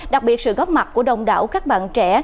đặc biệt sự góp mặt của đông đảo các bạn trẻ